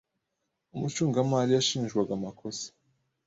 Umucungamari yashinjwaga amakosa.